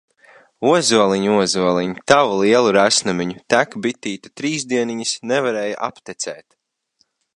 Ozoliņ, ozoliņ, Tavu lielu resnumiņu! Tek bitīte trīs dieniņas, Nevarēja aptecēt!